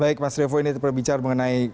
ya baik mas revo ini terbicar mengenai